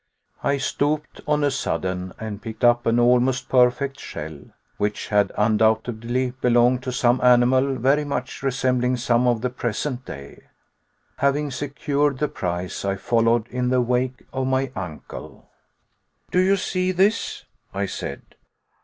I stooped on a sudden and picked up an almost perfect shell, which had undoubtedly belonged to some animal very much resembling some of the present day. Having secured the prize, I followed in the wake of my uncle. "Do you see this?" I said.